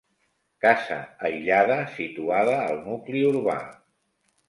Casa aïllada, situada al nucli urbà.